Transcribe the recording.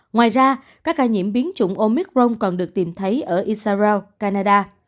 ngoài ra các ca nhiễm biến chủng omicron còn được tìm thấy ở israel canada